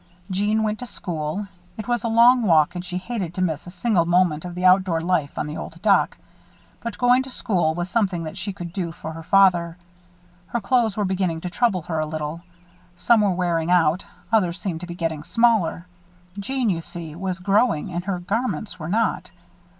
Jeanne went to school. It was a long walk and she hated to miss a single moment of the outdoor life on the old dock; but going to school was something that she could do for her father. Her clothes were beginning to trouble her a little. Some were wearing out, others seemed to be getting smaller. Jeanne, you see, was growing and her garments were not.